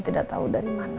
tidak tahu dari mana